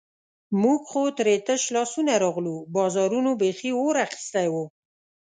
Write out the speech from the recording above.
موږ خو ترې تش لاسونه راغلو، بازارونو بیخي اور اخیستی وو.